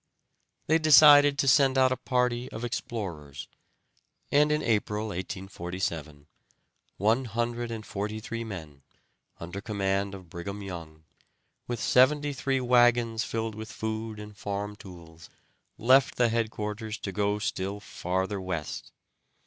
They decided to send out a party of explorers, and in April, 1847, one hundred and forty three men, under command of Brigham Young, with seventy three wagons filled with food and farm tools, left the headquarters to go still farther west.